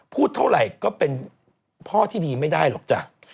พูดเท่าไหร่ก็เป็นพ่อที่ดีไม่ได้หรอกจ้ะ